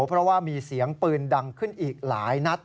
เพราะว่ามีเสียงปืนดังขึ้นอีกหลายนัด